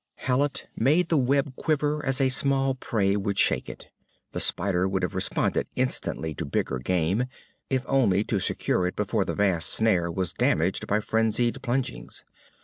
Hallet made the web quiver as small prey would shake it. The spider would have responded instantly to bigger game, if only to secure it before the vast snare was damaged by frenzied plungings.